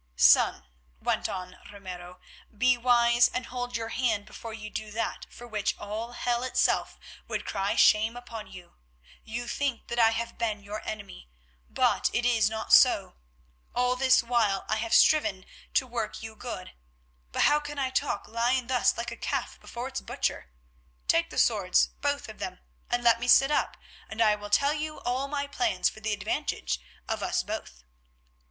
"Son," went on Ramiro, "be wise and hold your hand before you do that for which all hell itself would cry shame upon you. You think that I have been your enemy, but it is not so; all this while I have striven to work you good, but how can I talk lying thus like a calf before its butcher? Take the swords, both of them, and let me sit up, and I will tell you all my plans for the advantage of us both.